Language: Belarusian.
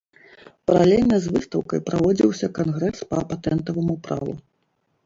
Паралельна з выстаўкай праводзіўся кангрэс па патэнтаваму праву.